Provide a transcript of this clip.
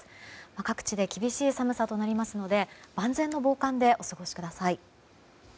各地で厳しい寒さとなりますので万全の防寒でお過ごしください。